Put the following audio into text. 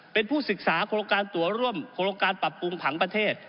เป็นผู้ศึกษาโครงการตัวร่วมโครงการปรับปรุงผังประเทศ